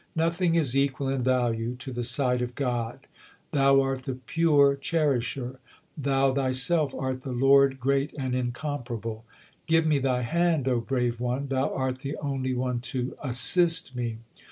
Nothing is equal in value to the sight of God. Thou art the pure Cherisher ; Thou Thyself art the Lord great and incomparable. Give me Thy hand, O Brave One, Thou art the only one to assist me.